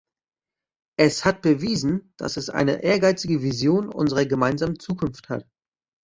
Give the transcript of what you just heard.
Es hat bewiesen, dass es eine ehrgeizige Vision unserer gemeinsamen Zukunft hat.